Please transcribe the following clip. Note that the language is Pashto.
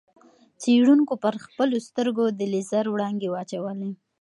څېړونکو پر خپلو سترګو د لېزر وړانګې واچولې.